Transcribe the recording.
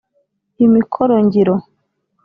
Imikoro-ngiro